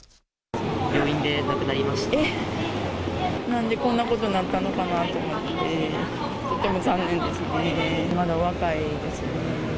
なんでこんなことになったのかなと思って、とても残念ですね。